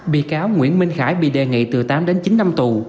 bị cáo nguyễn minh khải bị đề nghị từ tám đến chín năm tù